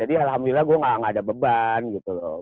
jadi alhamdulillah gue nggak ada beban gitu loh